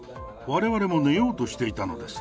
われわれも寝ようとしていたのです。